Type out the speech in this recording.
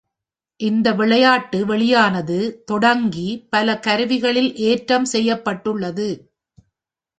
இந்த விளையாட்டு வெளியானது தொடங்கி பல கருவிகளில் ஏற்றம் செய்யப்பட்டுள்ளது.